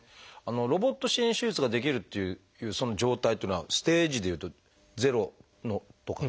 ロボット支援手術ができるっていうその状態っていうのはステージでいうと０のとか？